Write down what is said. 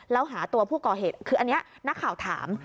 แล้วหาตัวผู้ก่อเหตุคืออันนี้นักข่าวถาม